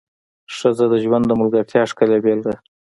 ښځه د ژوند د ملګرتیا ښکلې بېلګه ده.